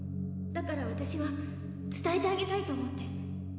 だから私は伝えてあげたいと思って。